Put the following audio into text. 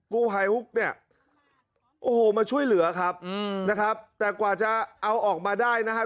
ูหายฮุกเนี่ยโอ้โหมาช่วยเหลือครับนะครับแต่กว่าจะเอาออกมาได้นะฮะ